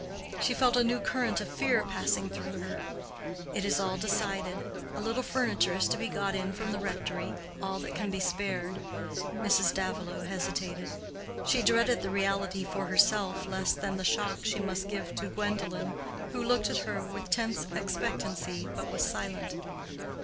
She felt a new current of fear passing through her. "It is all decided. A little furniture is to be got in from the rectory—all that can be spared." Mrs. Davilow hesitated. She dreaded the reality for herself less than the shock she must give to Gwendolen, who looked at her with tense expectancy, but was silent.